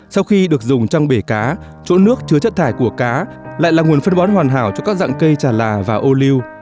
sau khi được dùng trong bể cá chỗ nước chứa chất thải của cá lại là nguồn phân bón hoàn hảo cho các dạng cây trà là và ô lưu